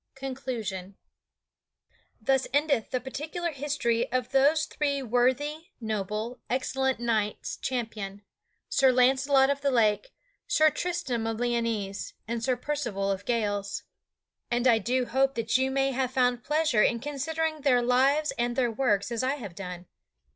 CONCLUSION Thus endeth the particular history of those three worthy, noble, excellent knights champion Sir Launcelot of the Lake, Sir Tristram of Lyonesse, and Sir Percival of Gales. And I do hope that you may have found pleasure in considering their lives and their works as I have done.